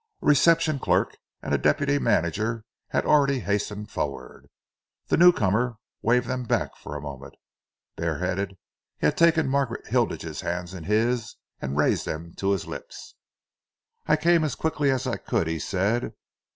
A reception clerk and a deputy manager had already hastened forward. The newcomer waved them back for a moment. Bareheaded, he had taken Margaret Hilditch's hands in his and raised them to his lips. "I came as quickly as I could," he said.